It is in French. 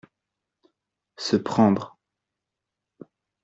Se prendre.